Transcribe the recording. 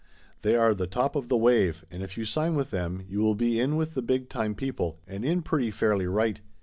They are the top of the wave, and if you sign with them you will be in with the big time people, and in pretty fairly right.